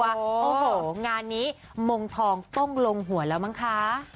โอ้โหงานนี้มงทองต้องลงหัวแล้วมั้งคะ